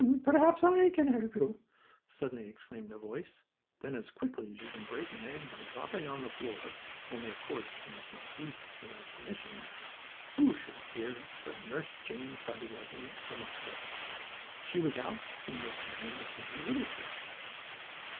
"Ha! perhaps I can help you!" suddenly exclaimed a voice. Then, as quickly as you can break an egg by dropping it on the floor (only of course you must not do it without permission), who should appear but Nurse Jane Fuzzy Wuzzy, the muskrat. She was out walking with Sammie and Susie Littletail.